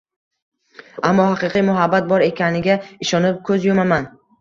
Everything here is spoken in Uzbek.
Ammo haqiqiy muhabbat bor ekaniga ishonib ko`z yumaman